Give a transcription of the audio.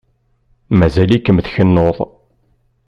Mazal-ikem tkennuḍ.